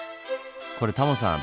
これタモさん